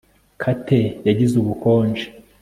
Kate yagize ubukonje